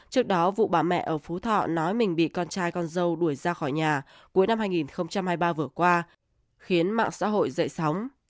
trước đó vụ bà mẹ ở phú thọ nói mình bị con trai con dâu đuổi ra khỏi nhà cuối năm hai nghìn hai mươi ba vừa qua khiến mạng xã hội dậy sóng